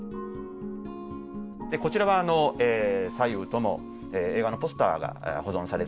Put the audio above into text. こちらは左右とも映画のポスターが保存されているところです。